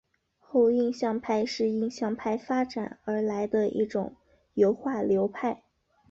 后印象派是印象派发展而来的一种油画流派。